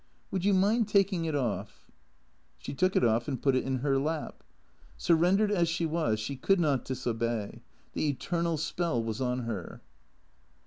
" Would you mind taking it off ?" She took it off and put it in her lap. Surrendered as she was, she could not disobey. The eternal spell was on her.